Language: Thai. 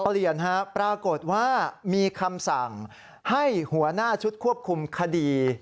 เปลี่ยนฮะปรากฏว่ามีคำสั่งให้หัวหน้าชุดควบคุมคดี